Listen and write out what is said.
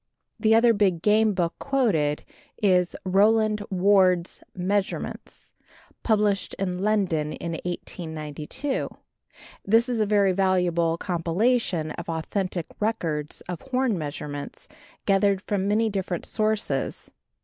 The other big game book quoted is Rowland Ward's "Measurements," published in London in 1892. This is a very valuable compilation of authentic records of horn measurements gathered from many different sources.